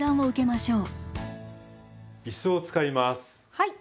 はい。